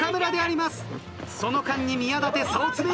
その間に宮舘差を詰める。